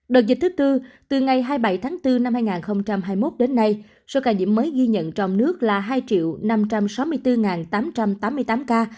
đợt dịch thứ tư từ ngày hai mươi bảy tháng bốn năm hai nghìn hai mươi một đến nay số ca nhiễm mới ghi nhận trong nước là hai năm trăm sáu mươi bốn tám trăm tám mươi tám ca